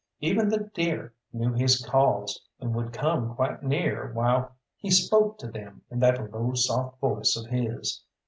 Even the deer knew his calls, and would come quite near while he spoke to them in that low soft voice of his.